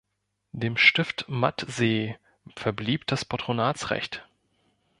Dem Stift Mattsee verblieb das Patronatsrecht.